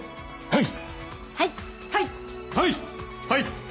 はい！